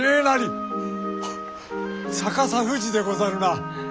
あっ逆さ富士でござるな？